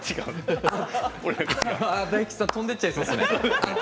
大吉さん飛んでいっちゃいそうですね。